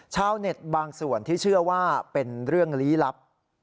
ชาวเน็ตบางส่วนที่เชื่อว่าเป็นเรื่องลี้ลับ